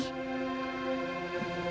ternyata pak prabu sangat berani